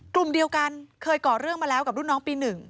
กลุ่มเดียวกันเคยก่อเรื่องมาแล้วกับรุ่นน้องปี๑